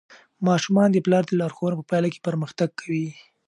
ماشومان د پلار د لارښوونو په پایله کې پرمختګ کوي.